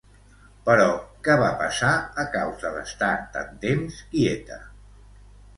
Però què va passar a causa d'estar tant temps quieta?